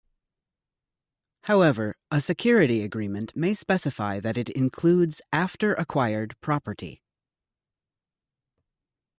However, a security agreement may specify that it includes after-acquired property.